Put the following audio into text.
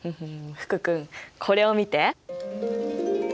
福君これを見て。